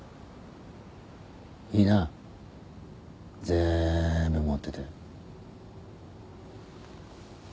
いいなぜんぶ持ってて。